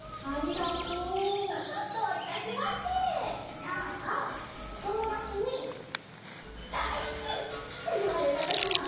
じゃあおともだちに「だいすき」っていわれたときは？